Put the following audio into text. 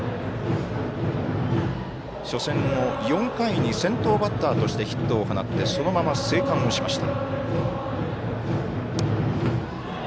初戦の４回に先頭バッターとしてヒットを放ってそのまま生還をしました。